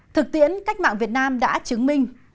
thực tiễn cách mạng việt nam đã chứng minh